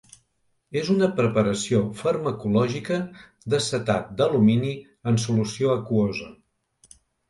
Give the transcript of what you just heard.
És una preparació farmacològica d'acetat d'alumini en solució aquosa.